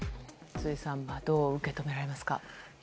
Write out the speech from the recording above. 辻さんどう受け止められますか？